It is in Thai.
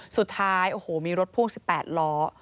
สุดท้ายโอ้โหมีรถพ่วง๑๘ล้อ